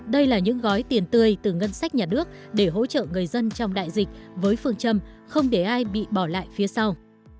đây là những gói tiền tươi từ ngân sách nhà nước để hỗ trợ người dân trong đại dịch với phương châm không để ai bị bỏ lại phía sau